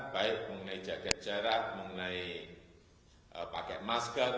baik mengenai jaga jarak mengenai pakai masker